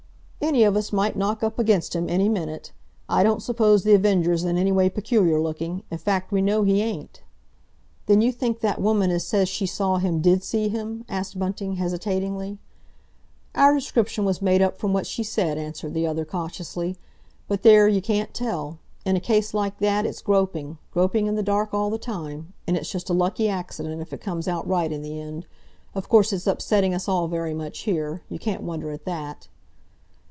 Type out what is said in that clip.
"Any of us might knock up against him any minute. I don't suppose The Avenger's in any way peculiar looking—in fact we know he ain't." "Then you think that woman as says she saw him did see him?" asked Bunting hesitatingly. "Our description was made up from what she said," answered the other cautiously. "But, there, you can't tell! In a case like that it's groping—groping in the dark all the time—and it's just a lucky accident if it comes out right in the end. Of course, it's upsetting us all very much here. You can't wonder at that!"